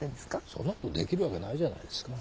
そんなことできるわけないじゃないですか。